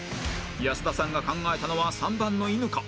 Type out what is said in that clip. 安田さんが考えたのは３番の「犬」か？